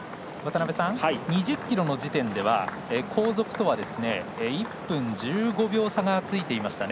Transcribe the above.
２０ｋｍの時点では後続とは１分１５秒差がついていました。